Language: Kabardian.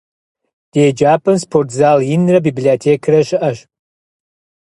Ди еджапӀэм спортзал инрэ библиотекэрэ щыӀэщ.